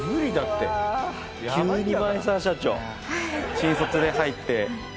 新卒で入って。